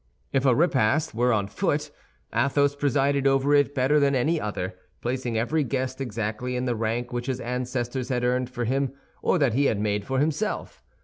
If a repast were on foot, Athos presided over it better than any other, placing every guest exactly in the rank which his ancestors had earned for him or that he had made for himself.